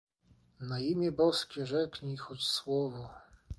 "Na imię Boskie, rzeknij choć słowo!"